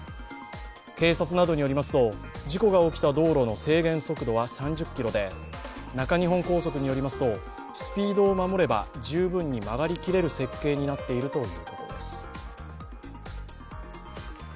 警察などによりますと事故が起きた道路の制限速度は３０ｋｍで中日本高速によりますとスピードを守れば十分に曲がりきれる設計になっているということです。